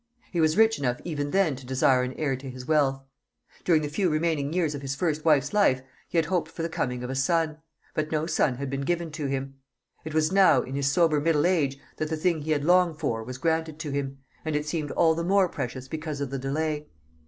He was rich enough even then to desire an heir to his wealth. During the few remaining years of his first wife's life, he had hoped for the coming of a son; but no son had been given to him. It was now, in his sober middle age, that the thing he had longed for was granted to him, and it seemed all the more precious because of the delay.